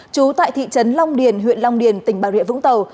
trú tại thị trấn long điền huyện long điền tỉnh bạc điện vũng tàu